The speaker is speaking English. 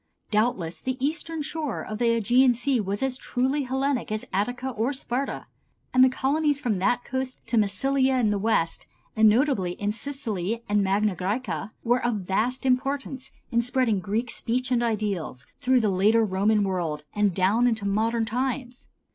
Doubtless the eastern shore of the Ægean Sea was as truly Hellenic as Attica or Sparta. And the colonies from that coast to Massilia in the west, and notably in Sicily and Magna Græcia, were of vast importance in spreading Greek speech and ideals through the later Roman world and down into modern times.